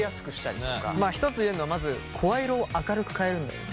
一つ言えるのはまず声色を明るく変えるんだよね。